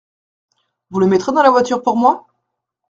Vous le mettrez dans la voiture pour moi ?